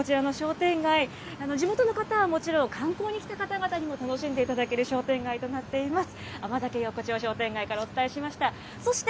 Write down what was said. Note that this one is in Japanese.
こちらの商店街、地元の方はもちろん、観光に来た方々にも楽しんでいただける商店街となっています。